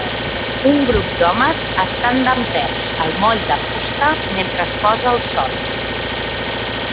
Un grup d'homes estan dempeus al moll de fusta mentre es posa el sol.